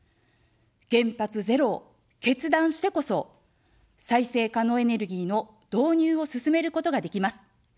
原発ゼロを決断してこそ、再生可能エネルギーの導入を進めることができます。